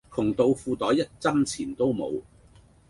窮到個褲袋一針錢都冇